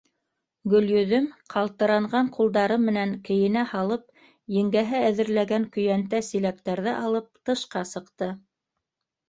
Гөлйөҙөм, ҡалтыранған ҡулдары менән кейенә һалып, еңгәһе әҙерләгән көйәнтә-силәктәрҙе алып, тышҡа сыҡты.